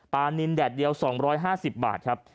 นินแดดเดียว๒๕๐บาทครับ